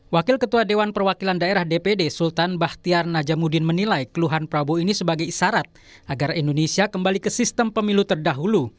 wakil ketua dewan perwakilan daerah dpd sultan bahtiar najamuddin menilai keluhan prabowo ini sebagai isyarat agar indonesia kembali ke sistem pemilu terdahulu